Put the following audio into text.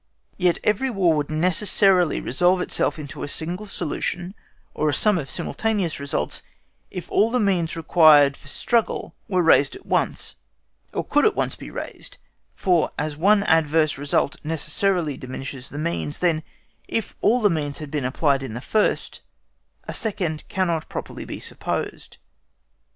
Yet every War would necessarily resolve itself into a single solution, or a sum of simultaneous results, if all the means required for the struggle were raised at once, or could be at once raised; for as one adverse result necessarily diminishes the means, then if all the means have been applied in the first, a second cannot properly be supposed.